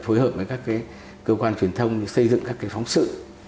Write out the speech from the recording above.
phối hợp với các cơ quan truyền thông xây dựng các phóng sự